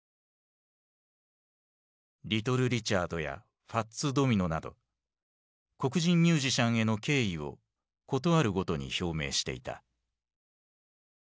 リトル・リチャードやファッツ・ドミノなど黒人ミュージシャンへの敬意を事あるごとに表明していた。